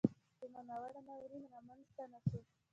کومه ناوړه ناورین را مینځته نه سو.